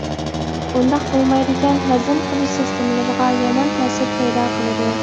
ئۇنداق بولمايدىكەن ھەزىم قىلىش سىستېمىلىرىغا يامان تەسىر پەيدا قىلىدۇ.